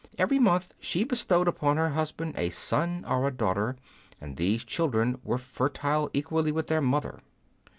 Every month she bestowed upon her husband a son or a daughter, and these children were fertile equally with their mother.